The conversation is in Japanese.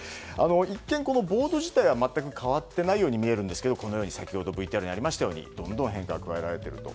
一見、ボード自体は全く変わっていないように見えるんですけどこのように先ほどＶＴＲにありましたようにどんどん変化が加えられていると。